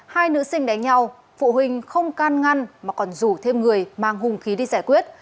hai nữ sinh đánh nhau phụ huynh không can ngăn mà còn rủ thêm người mang hung khí đi giải quyết